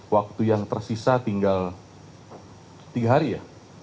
waktu yang tersisa tinggal tiga hari ya